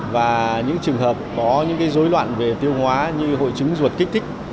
và những trường hợp có những dối loạn về tiêu hóa như hội chứng ruột kích thích